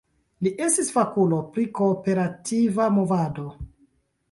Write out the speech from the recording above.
Li estis fakulo pri kooperativa movado.